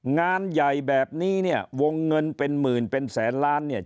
งานใหญ่แบบนี้วงเงินเป็นหมื่นเป็นแสนล้านนะ